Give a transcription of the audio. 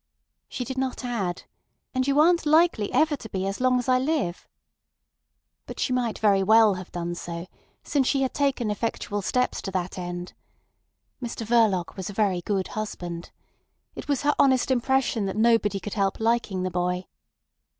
She did not add: "And you aren't likely ever to be as long as I live." But she might very well have done so, since she had taken effectual steps to that end. Mr Verloc was a very good husband. It was her honest impression that nobody could help liking the boy.